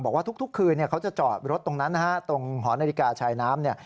บอกว่าทุกคืนเขาจะจอดรถตรงนั้นนะฮะตรงหอนาฬิกาชายน้ำเนี่ย